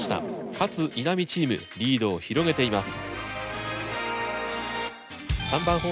勝・稲見チームリードを広げています。